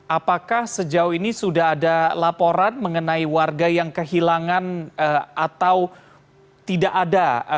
apakah sejauh ini sudah ada laporan mengenai warga yang kehilangan atau tidak ada